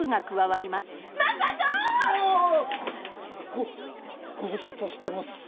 ごご無沙汰してます。